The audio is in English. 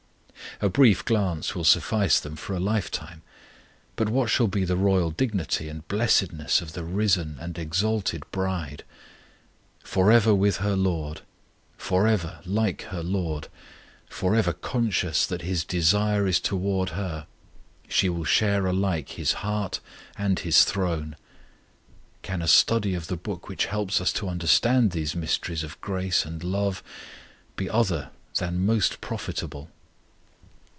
A brief glance will suffice them for a lifetime; but what shall be the royal dignity and blessedness of the risen and exalted bride! For ever with her LORD, for ever like her LORD, for ever conscious that His desire is toward her, she will share alike His heart and His throne. Can a study of the book which helps us to understand these mysteries of grace and love be other than most profitable?